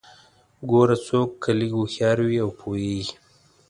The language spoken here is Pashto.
ګوره څوک که لږ هوښيار وي او پوهیږي